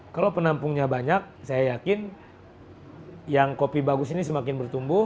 kalau penampungnya banyak saya yakin yang kopi bagus ini semakin bertumbuh